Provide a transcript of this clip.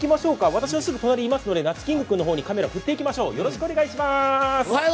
私のすぐ隣にいますのでなつキング君にカメラ振っていきましょう。